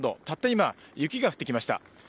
たった今、雪が降ってきました。